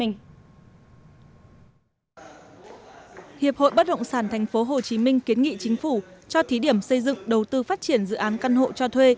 hiệp hội bất động sản tp hcm kiến nghị chính phủ cho thí điểm xây dựng đầu tư phát triển dự án căn hộ cho thuê